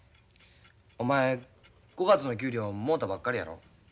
お前５月の給料もうたばっかりやろ？